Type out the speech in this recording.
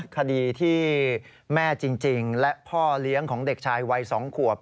คดีที่แม่จริงและพ่อเลี้ยงของเด็กชายวัย๒ขวบ